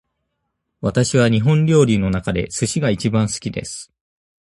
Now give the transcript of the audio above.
私は日本料理の中で寿司が一番好きです。